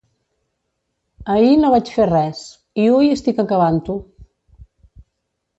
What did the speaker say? Ahir no vaig fer res, i hui estic acabant-ho.